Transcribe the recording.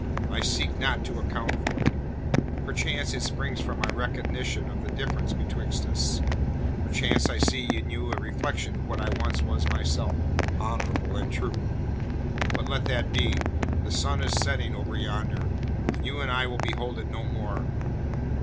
I seek not to account for it. Perchance it springs from my recognition of the difference betwixt us; perchance I see in you a reflection of what once I was myself honourable and true. But let that be. The sun is setting over yonder, and you and I will behold it no more.